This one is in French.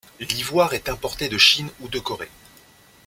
L'ivoire est importé de Chine ou de Corée.